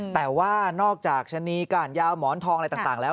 แต่ว่านอกจากชะนีก่านยาวหมอนทองอะไรต่างแล้ว